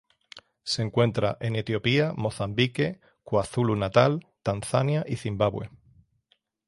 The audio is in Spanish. Se encuentra en Etiopía, Mozambique, KwaZulu-Natal, Tanzania y Zimbabue.